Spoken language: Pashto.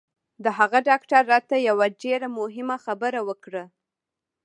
د هغه ډاکتر راته یوه ډېره مهمه خبره وکړه